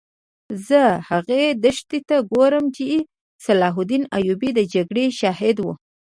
زه هغې دښتې ته ګورم چې د صلاح الدین ایوبي د جګړې شاهده وه.